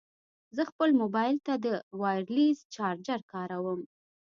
زه خپل مبایل ته د وایرلیس چارجر کاروم.